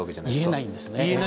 言えないんですね。